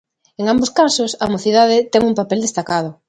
En ambos casos, a mocidade ten un papel destacado.